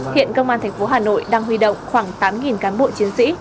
hiện công an thành phố hà nội đang huy động khoảng tám cán bộ chiến sĩ